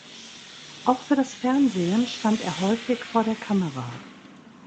Auch für das Fernsehen stand er häufig vor der Kamera.